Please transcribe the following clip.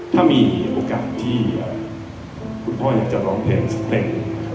ถ้ามีโอกาสที่คุณพ่ออยากจะร้องเพลงสเต็ง